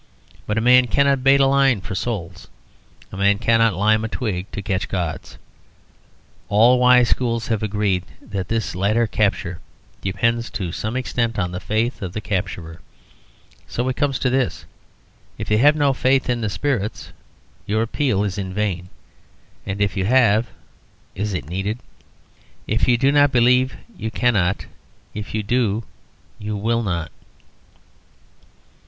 But a man cannot bait a line for souls. A man cannot lime a twig to catch gods. All wise schools have agreed that this latter capture depends to some extent on the faith of the capturer. So it comes to this: If you have no faith in the spirits your appeal is in vain; and if you have is it needed? If you do not believe, you cannot. If you do you will not.